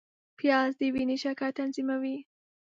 پیاز د وینې شکر تنظیموي